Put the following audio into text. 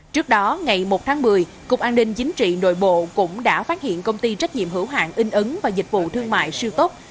trước đó ngày một tháng một mươi cục an ninh chính trị nội bộ cũng đã phát hiện công ty trách nhiệm hữu hạng in ứng và dịch vụ thương mại siêu tốt